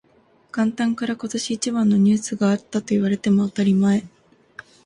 元旦から今年一番のニュースがあったと言われても当たり前